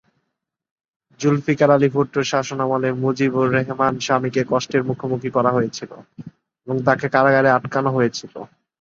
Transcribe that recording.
জুলফিকার আলী ভুট্টোর শাসনামলে মুজিব-উর-রেহমান স্বামীকে কষ্টের মুখোমুখি করা হয়েছিল এবং তাকে কারাগারে আটকানো হয়েছিল।